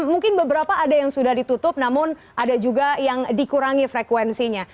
mungkin beberapa ada yang sudah ditutup namun ada juga yang dikurangi frekuensinya